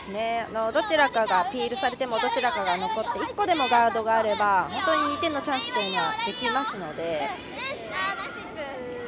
どちらかがピールされてもどちらかが残って１個でもガードがあれば本当に２点のチャンスはできますので。